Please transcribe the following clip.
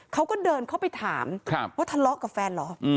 เขาก็เดินเข้าไปถามว่าทะเลาะกับแฟนเหรอ